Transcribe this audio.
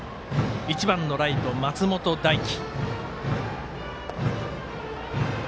１番のライト、松本大輝。